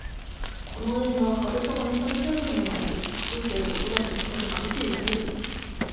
この映画、派手さもエンタメ成分もないけど風景と音だけでなぜか見ていられる